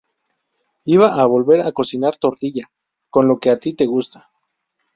iba a volver a cocinar tortilla. con lo que a ti te gusta.